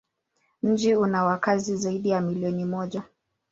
Mji una wakazi zaidi ya milioni moja.